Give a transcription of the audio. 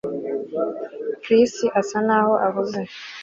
Chris asa naho ahuze